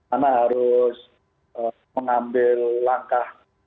anak harus mengambil langkah